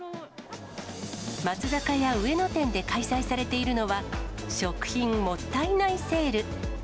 松坂屋上野店で開催されているのは、食品もったいないセール。